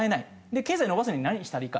経済を伸ばすには何したらいいか。